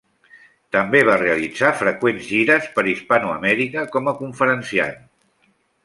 També va realitzar freqüents gires per Hispanoamèrica com a conferenciant.